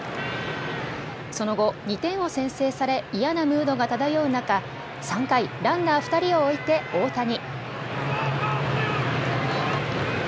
その後、２点を先制され嫌なムードが漂う中、３回、ランナー２人を置いて大谷。